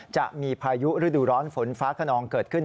จะมีพายุฤดูร้อนฝนฟ้าขนองเกิดขึ้น